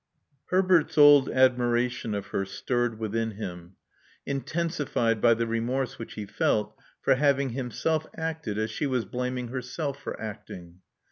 Herbert's old admiration of her stirred within him, intensified by the remorse which he felt for having himself acted as she was blaming herself for acting.